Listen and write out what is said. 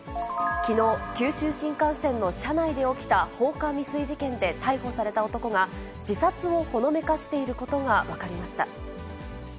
きのう、九州新幹線の車内で起きた放火未遂事件で逮捕された男が、自殺をほのめかしていることが分かりました。